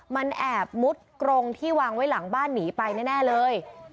มันแอบมุดกรงที่วางไว้หลังบ้านหนีไปแน่เลย